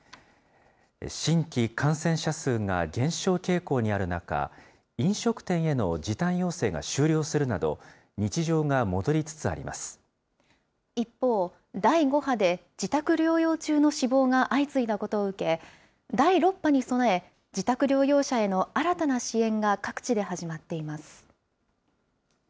新規感染者数が減少傾向にある中、飲食店への時短要請が終了するなど、一方、第５波で自宅療養中の死亡が相次いだことを受け、第６波に備え、自宅療養者への新たな支援が各地で始まっています。